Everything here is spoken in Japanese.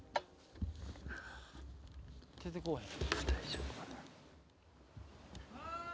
出てこうへん。